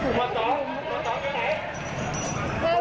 เพราะตอนนี้ก็ไม่มีเวลาให้เข้าไปที่นี่